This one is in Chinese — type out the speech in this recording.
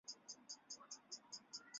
乾隆十四年上任台湾澎湖通判。